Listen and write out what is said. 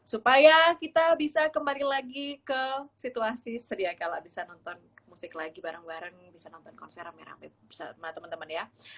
supaya kita bisa kembali lagi ke situasi sedia kalau bisa nonton musik lagi bareng bareng bisa nonton konser rame rame bersama teman teman ya